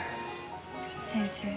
先生？